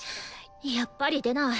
やっぱり出ない。